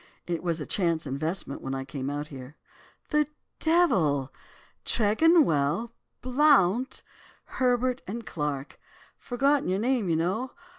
'It was a chance investment when I came out here.' "'The devil! Tregonwell, Blount, Herbert and Clarke. Forgotten your name, you know.